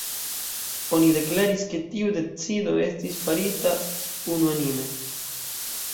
Oni deklaris, ke tiu decido estis farita unuanime.